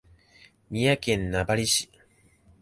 三重県名張市